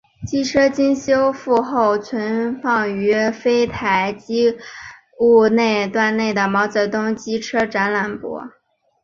机车经修复后存放于丰台机务段内的毛泽东号机车展览馆。